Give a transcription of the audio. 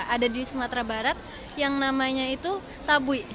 ada di sumatera barat yang namanya itu tabui